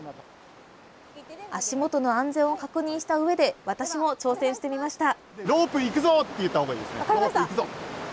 足元の安全を確認したうえで私も挑戦してみました。